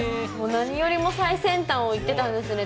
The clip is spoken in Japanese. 何よりも最先端をいってたんですね。